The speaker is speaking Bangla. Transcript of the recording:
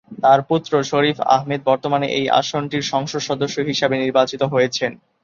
তার পুত্র শরীফ আহমেদ বর্তমানে এই আসনটির সংসদ সদস্য হিসাবে নির্বাচিত হয়েছেন।